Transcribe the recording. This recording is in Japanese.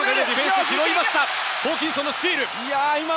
ホーキンソンのスチール。